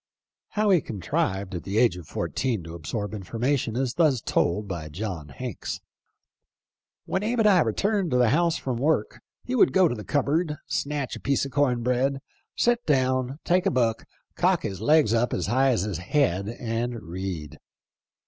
How he contrived at the age of fourteen to absorb information is thus told by John Hanks: "When Abe and I returned to the house from work he would go to the cupboard, snatch a piece of corn bread, sit down, take a book, cock his legs up as high as his head, and read.